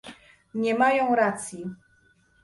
Nie mają racji